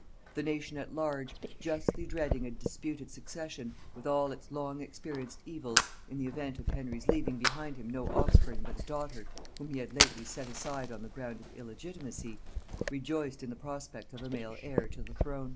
The nation at large, justly dreading a disputed succession, with all its long experienced evils, in the event of Henry's leaving behind him no offspring but a daughter whom he had lately set aside on the ground of illegitimacy, rejoiced in the prospect of a male heir to the crown.